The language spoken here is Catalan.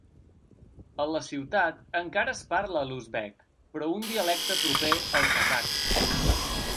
A la ciutat encara es parla l'uzbek però un dialecte proper al kazakh.